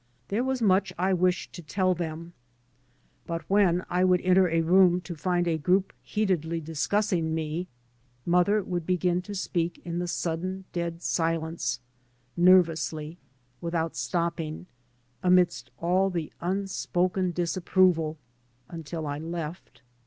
There was much I wished to tell them. But when I would enter a room to find a group heatedly discussing me, mother would begin to speak in the sudden dead silence, nerv ously, without stopping, amidst all the un spoken disapproval, until I left.